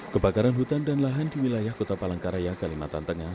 kebakaran hutan dan lahan di wilayah kota palangkaraya kalimantan tengah